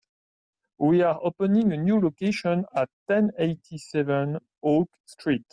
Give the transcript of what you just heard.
We are opening the a new location at ten eighty-seven Oak Street.